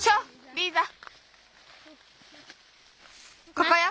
ここよ。